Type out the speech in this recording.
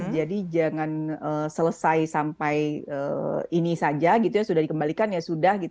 jadi jangan selesai sampai ini saja gitu ya sudah dikembalikan ya sudah gitu